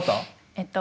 えっと